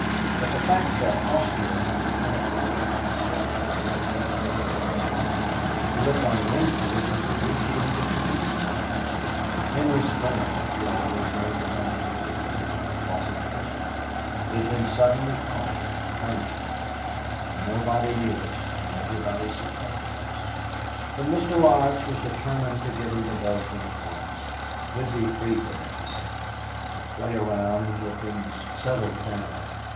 But the fact that Austria had declared war on Serbia certainly slowed up our wheels. It looked on Wednesday as if we wouldn't be able to leave Verdun. Henry's friend he always knows a man everywhere wasn't there he'd been suddenly called, transferred. Nobody knew us and everybody suspected us, but Mr. Laurence was determined to get into Belgium at once. We'd be free there, he said, and could play around until things settled down.